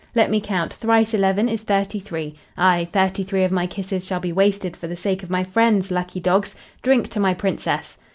Let me count: thrice eleven is thirty three. Aye, thirty three of my kisses shall be wasted for the sake of my friends, lucky dogs! Drink to my Princess!"